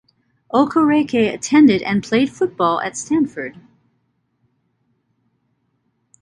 Okereke attended and played college football at Stanford.